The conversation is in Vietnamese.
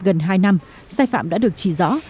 gần hai năm sai phạm đã được chỉ rõ